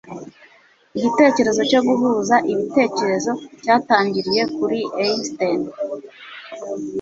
igitekerezo cyo guhuza ibitekerezo cyatangiriye kuri einstein